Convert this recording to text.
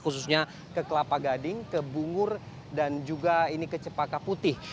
khususnya ke kelapa gading ke bungur dan juga ini ke cepaka putih